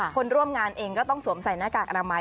คนร่วมงานเองก็ต้องสวมใส่หน้ากากอนามัย